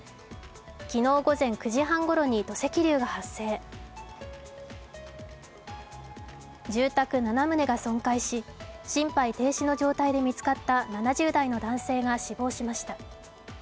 昨日午前９時半ごろに土石流が発生住宅７棟が損壊し心肺停止の状態で見つかった７０代の男性が死亡しました。